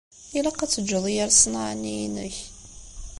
Ilaq ad teǧǧeḍ yir ṣṣenɛa-nni-inek.